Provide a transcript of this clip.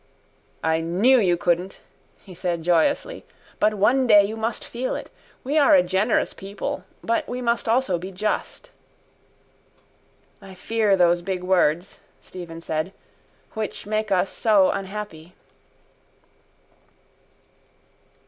—I knew you couldn't, he said joyously. But one day you must feel it. We are a generous people but we must also be just. —I fear those big words, Stephen said, which make us so unhappy.